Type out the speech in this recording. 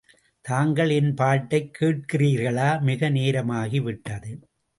தாங்கள் என் பாட்டைக் கேட்கிறீர்களா? மிக நேரமாகி விட்டது.